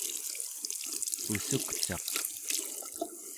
ussukcaq